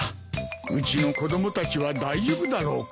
うちの子供たちは大丈夫だろうか。